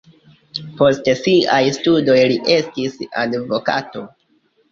Post siaj studoj li estis advokato.